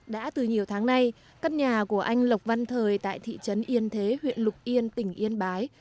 đã từ nhiều tháng nay căn nhà của anh lộc văn thời tại thị trấn yên thế huyện lục yên tỉnh yên bái